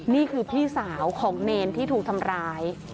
นี่คือพี่สาวของเนรที่ถูกทำร้าย